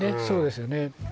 そうですよね